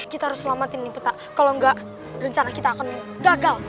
kita harus selamatin nih peta kalau enggak rencana kita akan gagal